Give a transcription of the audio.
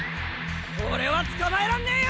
俺は捕まえらんねえよ！